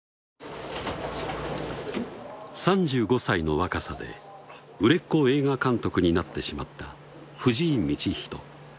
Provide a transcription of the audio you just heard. ３５歳の若さで売れっ子映画監督になってしまった藤井道人